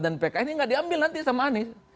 dan pks ini gak diambil nanti sama anies